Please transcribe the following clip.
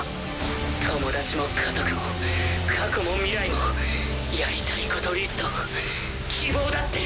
友達も家族も過去も未来もやりたいことリスト希望だって。